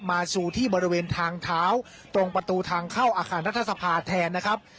สู่ที่บริเวณทางเท้าตรงประตูทางเข้าอาคารรัฐสภาแทนนะครับ